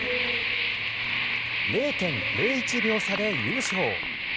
０．０１秒差で優勝。